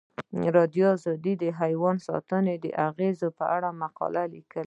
ازادي راډیو د حیوان ساتنه د اغیزو په اړه مقالو لیکلي.